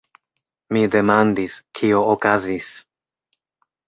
Mi demandis, kio okazis.